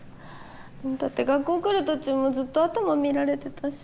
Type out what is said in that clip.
だって学校来る途中もずっと頭見られてたし。